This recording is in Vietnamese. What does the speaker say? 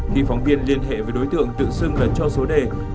khi phóng viên liên hệ với đối tượng tự xưng lần cho số đề